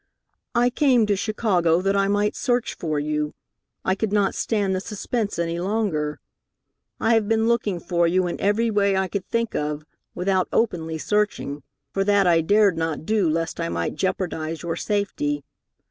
"I came to Chicago that I might search for you. I could not stand the suspense any longer. I have been looking for you in every way I could think of, without openly searching, for that I dared not do lest I might jeopardize your safety.